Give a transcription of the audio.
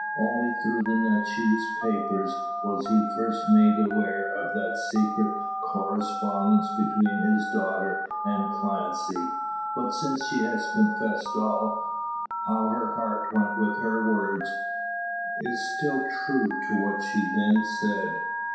Only through the Natchez newspapers was he first made aware of that secret correspondence between his daughter and Clancy. But since she has confessed all how her heart went with her words; is still true to what she then said.